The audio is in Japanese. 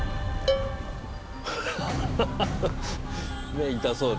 目痛そうね